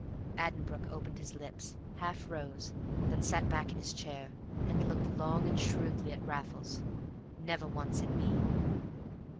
Addenbrooke opened his lips, half rose, then sat back in his chair, and looked long and shrewdly at Raffles never once at me.